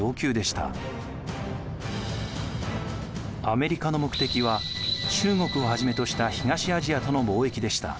アメリカの目的は中国をはじめとした東アジアとの貿易でした。